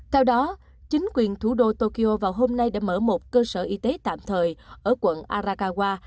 theo đó chính quyền thủ đô tokyo vào hôm nay đã mở một cơ sở y tế tạm thời ở quận arakawa